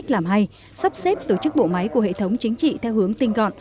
làm hay sắp xếp tổ chức bộ máy của hệ thống chính trị theo hướng tinh gọn